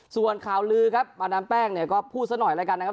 ส่วนคาวลือครับมาน้ำแป้งเนี่ยก็พูดสักหน่อยนะครับ